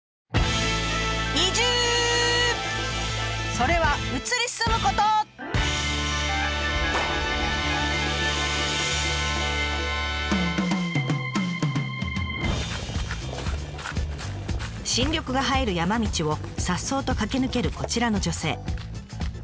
それは新緑が映える山道をさっそうと駆け抜けるこちらの女性。